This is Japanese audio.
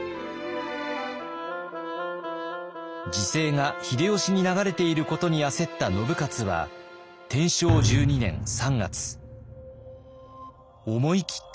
時勢が秀吉に流れていることに焦った信雄は天正１２年３月思い切った行動に出ます。